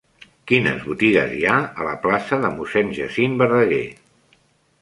Quines botigues hi ha a la plaça de Mossèn Jacint Verdaguer?